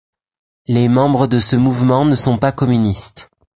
Les membres de ce Mouvement ne sont pas communistes.